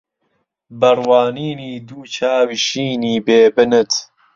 بە ڕوانینی دوو چاوی شینی بێ بنت